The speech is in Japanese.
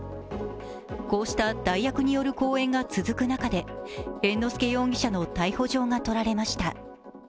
こうした代役による公演が続く中で猿之助容疑者の逮捕状が取られました。